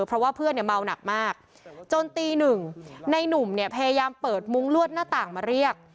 เพราะว่าเพื่อนเนี่ยเมาหนักมากจนตีหนึ่งในหนุ่มเนี่ยพยายามเปิดมุ้งลวดหน้าต่างมาเรียก